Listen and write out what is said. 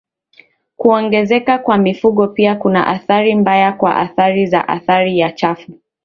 Kuongezeka kwa mifugo pia kuna athari mbaya kwa athari za athari ya chafu